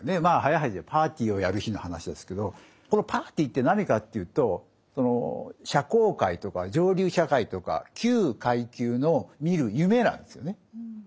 まあ早い話がパーティーをやる日の話ですけどこのパーティーって何かっていうと社交界とか上流社会とか旧階級の見る夢なんですよね。